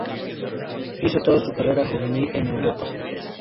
Hizo toda su carrera juvenil en Europa.